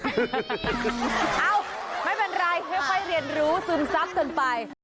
เอ้าไม่เป็นไรค่อยเรียนรู้ซึมซับกันไป